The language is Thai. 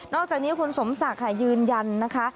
อกจากนี้คุณสมศักดิ์ค่ะยืนยันนะคะ